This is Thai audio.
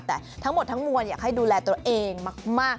แต่ทั้งหมดทั้งมวลอยากให้ดูแลตัวเองมาก